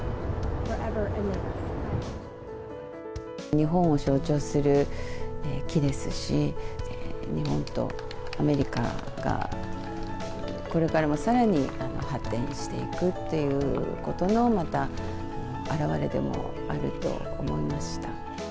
日本を象徴する木ですし、日本とアメリカが、これからもさらに発展していくっていうことのまた表れでもあると思いました。